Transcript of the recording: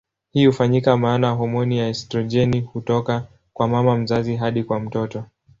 Hii hufanyika maana homoni ya estrojeni hutoka kwa mama mzazi hadi kwa mtoto.